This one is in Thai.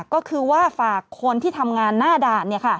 ก็คือว่าฝากคนที่ทำงานหน้าด่าน